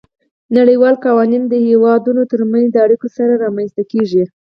نړیوال قوانین د هیوادونو ترمنځ د اړیکو سره رامنځته کیږي